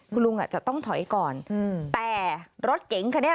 คุณลุงจะต้องถอยก่อนแต่รถเก๋งค่ะเนี่ย